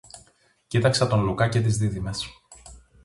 Κοίταξα τον Λουκά και τις δίδυμες